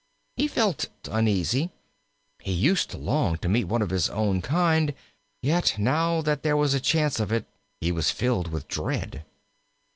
He felt uneasy. He used to long to meet one of his own kind, yet now that there was a chance of it he was filled with dread.